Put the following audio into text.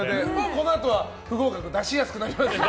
このあとは不合格出しやすくなりますね。